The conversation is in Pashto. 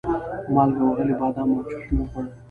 مالګه وهلي بادام او چپس مې وخوړل.